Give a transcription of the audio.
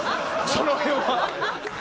その辺は。